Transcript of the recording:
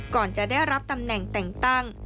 ก่อนจะได้รับตำแหน่งแต่งตั้ง